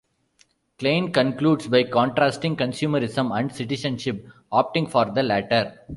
Klein concludes by contrasting consumerism and citizenship, opting for the latter.